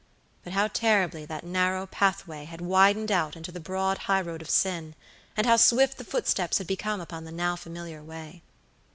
But how terribly that narrow pathway had widened out into the broad highroad of sin, and how swift the footsteps had become upon the now familiar way!